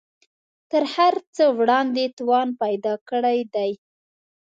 تر هر څه وړاندې توان پیدا کړی دی